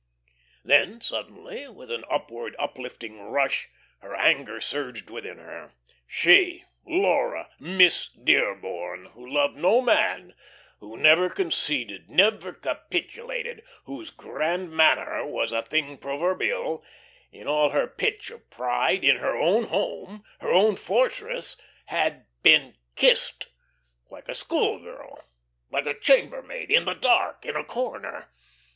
Then, suddenly, with an upward, uplifting rush, her anger surged within her. She, Laura, Miss Dearborn, who loved no man, who never conceded, never capitulated, whose "grand manner" was a thing proverbial, in all her pitch of pride, in her own home, her own fortress, had been kissed, like a school girl, like a chambermaid, in the dark, in a corner.